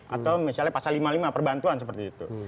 atau misalnya pasal lima puluh lima perbantuan seperti itu